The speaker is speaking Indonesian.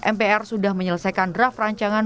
mpr sudah menyelesaikan draft rancangan